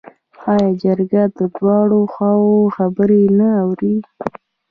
آیا جرګه د دواړو خواوو خبرې نه اوري؟